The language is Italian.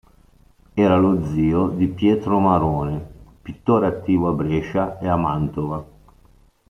Era lo zio di Pietro Marone, pittore attivo a Brescia e a Mantova.